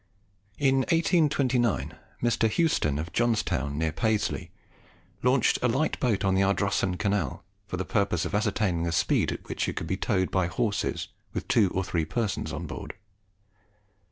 In 1829, Mr. Houston, of Johnstown, near Paisley, launched a light boat on the Ardrossan Canal for the purpose of ascertaining the speed at which it could be towed by horses with two or three persons on board.